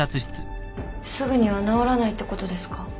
すぐには治らないってことですか？